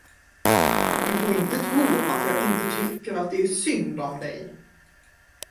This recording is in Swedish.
Du får inte tro att jag inte tycker att det är synd om dig.